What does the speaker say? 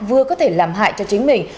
vừa có thể làm hại cho chính mình